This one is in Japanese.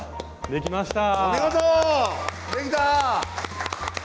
できました！